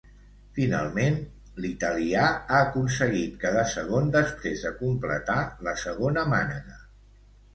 Finalment, l'italià ha aconseguit quedar segon després de completar la segona mànega.